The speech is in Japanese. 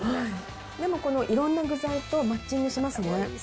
でもこの、いろんな具材とマッチングしますね。